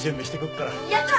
やった！